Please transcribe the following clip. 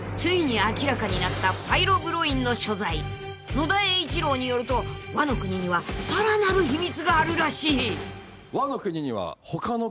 ［野田栄一郎によるとワノ国にはさらなる秘密があるらしい］